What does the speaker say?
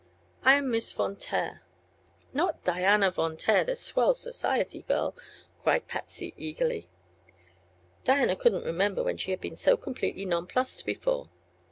"I am Miss Von Taer." "Not Diana Von Taer, the swell society girl?" cried Patsy eagerly. Diana couldn't remember when she had been so completely nonplused before.